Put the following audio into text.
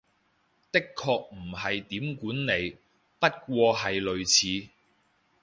的確唔係點管理，不過係類似